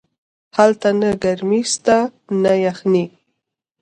هلته نه گرمي سته نه يخني.